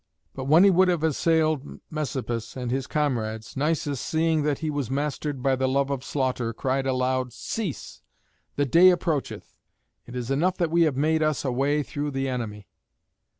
But when he would have assailed Messapus and his comrades, Nisus, seeing that he was mastered by the love of slaughter, cried aloud, "Cease: the day approacheth. It is enough that we have made us a way through the enemy."